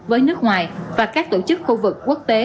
với nước ngoài và các tổ chức khu vực quốc tế